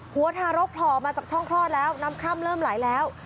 ทารกโผล่ออกมาจากช่องคลอดแล้วน้ำคร่ำเริ่มไหลแล้ว